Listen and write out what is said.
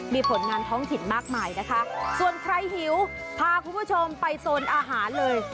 มีผลงานท้องถิ่นมากมายนะคะส่วนใครหิวพาคุณผู้ชมไปโซนอาหารเลย